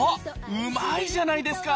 うまいじゃないですか。